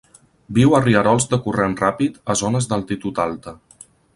Viu a rierols de corrent ràpid a zones d'altitud alta.